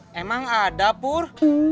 memang ada pur